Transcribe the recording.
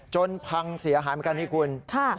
จนพังเสียหายไหมกันอีกทีคุณ